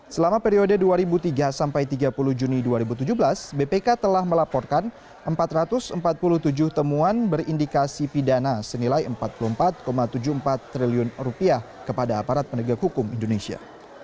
selama periode dua ribu tiga sampai tiga puluh juni dua ribu tujuh belas bpk telah melaporkan empat ratus empat puluh tujuh temuan berindikasi pidana senilai rp empat puluh empat tujuh puluh empat triliun kepada aparat penegak hukum indonesia